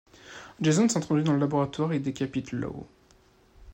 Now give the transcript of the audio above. Jason s'introduit dans le laboratoire et décapite Lowe.